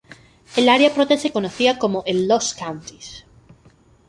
El área pronto se conocía como el "Lost Counties".